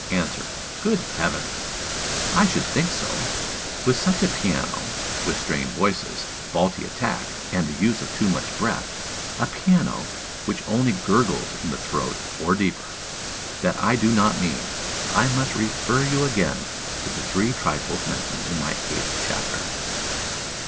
Answer. Good heavens! I should think so! With such a piano, with strained voices, faulty attack, and the use of too much breath, a piano which only gurgles in the throat, or deeper! That I do not mean: I must refer you again to the three trifles mentioned in my eighth chapter.